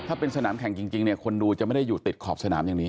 ถ้าเป็นสนามแข่งจริงเนี่ยคนดูจะไม่ได้อยู่ติดขอบสนามอย่างนี้